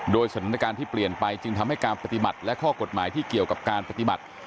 โดยสถานการณ์ที่เปลี่ยนไปจึงทำให้การปฏิบัติและข้อกฎหมายที่เกี่ยวกับการปฏิบัติ